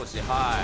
はい。